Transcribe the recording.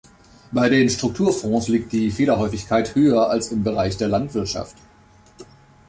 Bei den Strukturfonds liegt die Fehlerhäufigkeit höher als im Bereich der Landwirtschaft.